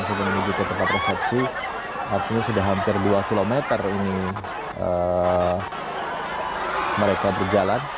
sebelum menuju ke tempat resepsi artinya sudah hampir dua km ini mereka berjalan